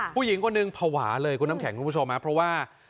ผู้หญิงก็นึงเผาหวาเลยคุณน้ำแข็งคุณผู้ชมบอกว่า